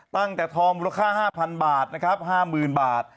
ตั้งแต่ทองมูลค่า๕๐๐บาทนะครับ๕๐๐๐บาท